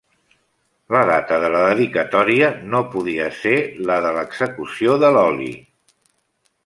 La data de la dedicatòria no podia ser la de l'execució de l'oli.